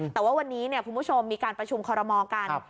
แต่ว่าวันนี้คุณผู้ชมมีการประชุมคอรมอลกัน